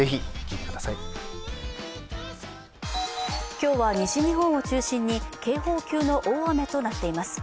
今日は西日本を中心に警報級の大雨となっています。